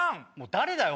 誰だよ？